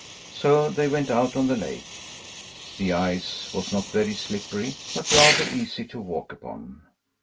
So they went out on the lake. The ice was not very slippery, but rather easy to walk upon.